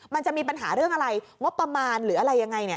มันจะมีปัญหาเรื่องอะไรงบประมาณหรืออะไรยังไง